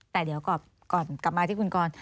แต่เดี๋ยวก่อนกลับมาที่คุณกร